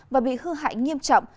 và bị hư hại nghiêm trọng